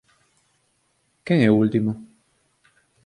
Quen é o último?